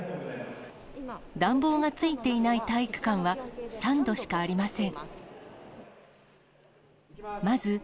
暖房がついていない体育館は、３度しかありません。